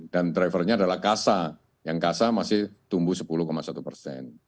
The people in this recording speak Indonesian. dan driver nya adalah kasa yang kasa masih tumbuh sepuluh satu persen